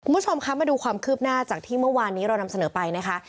คุณผู้ชมคะมาดูความคืบหน้าจากที่เมื่อวานนี้เรานำเสนอไปนะคะ